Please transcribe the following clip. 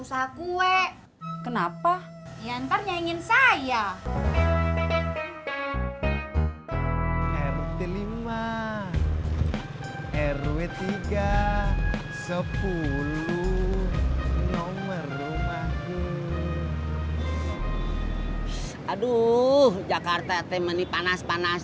bawa kue kenapa ya ntar nyanyiin saya rt lima rw tiga sepuluh nomor rumahku aduh jakarta temen di panas panas